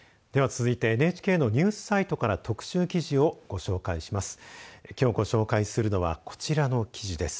続いてＮＨＫのニュースサイトから特集記事をご紹介します。